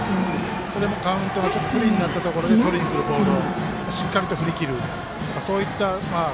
それもカウントがちょっと不利になったところでとりにくるボールをしっかりと振り切る。